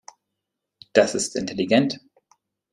Das ist intelligent.